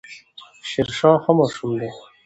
شيرشاه ښه ماشوم دی